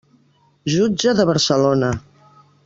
Jutge de Barcelona.